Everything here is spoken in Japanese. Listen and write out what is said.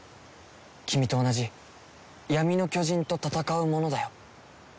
君と同じ闇の巨人と戦う者だよ。